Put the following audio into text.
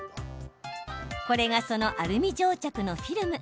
これがそのアルミ蒸着のフィルム。